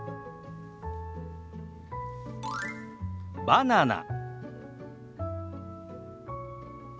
「バナナ」。